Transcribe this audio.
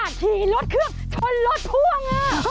ขี่รถเครื่องชนรถพ่วง